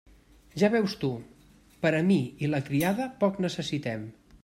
Ja veus tu, per a mi i la criada poc necessitem.